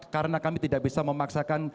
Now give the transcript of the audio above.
karena kami tidak bisa memaksakan